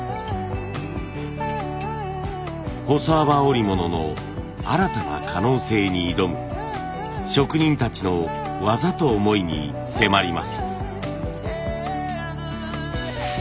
細幅織物の新たな可能性に挑む職人たちの技と思いに迫ります。